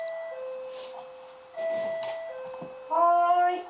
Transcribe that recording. はい。